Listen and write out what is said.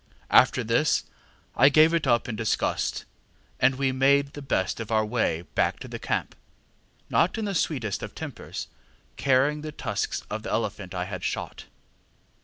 After this I gave it up in disgust, and we made the best of our way back to the camp, not in the sweetest of tempers, carrying the tusks of the elephant I had shot.